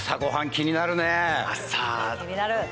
気になる！